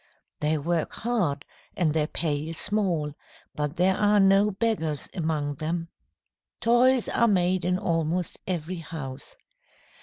They work hard, and their pay is small, but there are no beggars among them. Toys are made in almost every house.